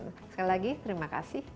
sekali lagi terima kasih